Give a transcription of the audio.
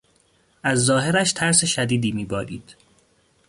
از ظاهرش ترس شدیدی میبارید.